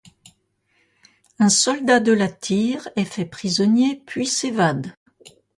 Un soldat de la tire, est fait prisonnier, puis s'évade.